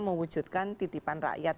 mewujudkan titipan rakyat